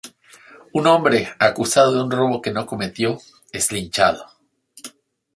Un hombre, acusado de un robo que no cometió, es linchado.